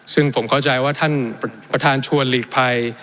ซึ่งผมเข้าใจว่าท่านประธานชวนหลีกภัย